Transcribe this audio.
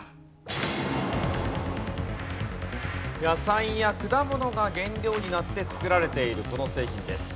野菜や果物が原料になって作られているこの製品です。